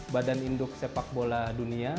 badan induk sepak bola dunia